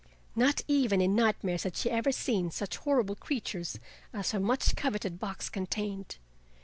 Not even in nightmares had she ever seen such horrible creatures as her much coveted box contained.